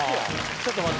ちょっと待って。